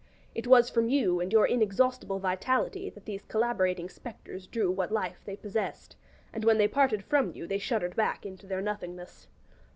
It was from you and your inexhaustible vitality that these collaborating spectres drew what life they possessed; and when they parted from you they shuddered back into their nothingness.